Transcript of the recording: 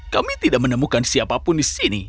kami tidak menemukan siapapun di sini